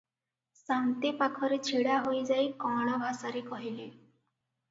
ସାନ୍ତେ ପାଖରେ ଛିଡ଼ାହୋଇ ଯାଇ କଅଁଳ ଭାଷାରେ କହିଲେ